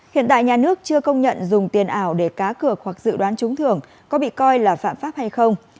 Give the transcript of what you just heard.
hiện tại nhà nước chưa công nhận dùng tiền ảo để cá cược hoặc dự đoán trúng thưởng có bị coi là phạm pháp hay không